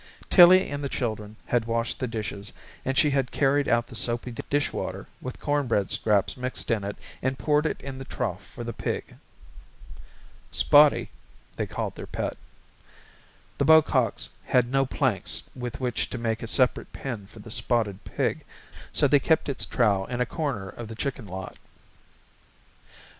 Tillie and the children had washed the dishes, and she had carried out the soapy dishwater with cornbread scraps mixed in it and poured it in the trough for the pig. "Spotty," they called their pet. The Bococks had no planks with which to make a separate pen for the spotted pig so they kept its trough in a corner of the chicken lot.